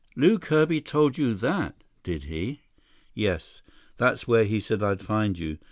"Lew Kirby told you that, did he?" "Yes. That's where he said I'd find you.